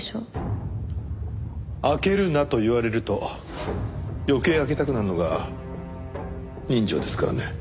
開けるなと言われると余計開けたくなるのが人情ですからね。